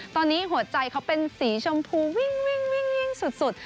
ตอนนี้หัวใจเขาเป็นสีชมพูวิ่งสุด